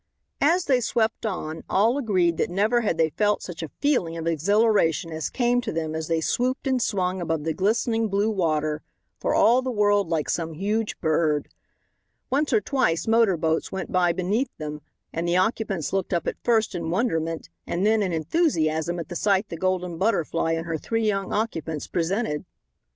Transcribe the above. As they swept on, all agreed that never had they felt such a feeling of exhilaration as came to them as they swooped and swung above the glistening blue water, for all the world like some huge bird. Once or twice motor boats went by beneath them, and the occupants looked up at first in wonderment and then in enthusiasm at the sight the Golden Butterfly and her three young occupants presented.